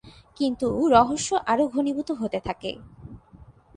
কিন্তু রহস্য আরো ঘনীভূত হতে থাকে।